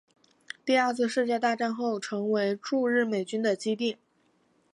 第二次世界大战后成为驻日美军的基地。